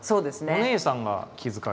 お姉さんが気付かれたっていう。